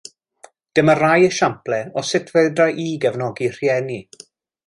Dyma rai esiamplau o sut fedra i gefnogi rhieni